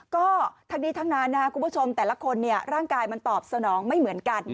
ก็ทั้งนี้ทั้งนั้นนะครับคุณผู้ชมแต่ละคนร่างกายมันตอบสนองไม่เหมือนกัน